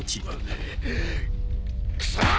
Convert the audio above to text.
くそっ！